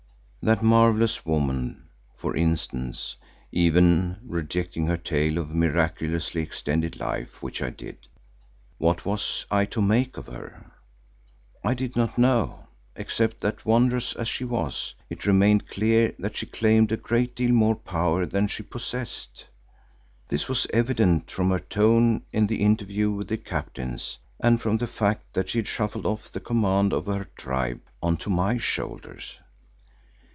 That marvellous woman, for instance—even rejecting her tale of miraculously extended life, which I did—what was I to make of her? I did not know, except that wondrous as she was, it remained clear that she claimed a great deal more power than she possessed. This was evident from her tone in the interview with the captains, and from the fact that she had shuffled off the command of her tribe on to my shoulders.